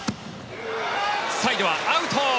サイドはアウト。